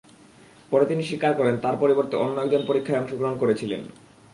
পরে তিনি স্বীকার করেন, তাঁর পরিবর্তে অন্য একজন পরীক্ষায় অংশগ্রহণ করেছিলেন।